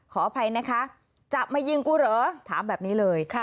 ขออภัยนะคะจะมายิงกูเหรอถามแบบนี้เลย